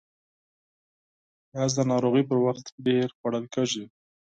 پیاز د ناروغۍ پر وخت ډېر خوړل کېږي